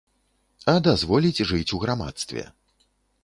А дазволіць жыць у грамадстве.